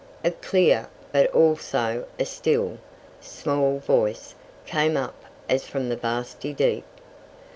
A clear, but also "a still, small voice" came up as from the "vasty deep."